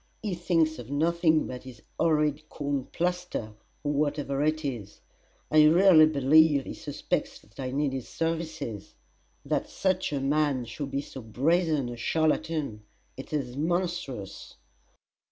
"He thinks of nothing but his horrid corn plaster, or whatever it is! I really believe he suspects that I need his services. That such a man should be so brazen a charlatan it is monstrous!"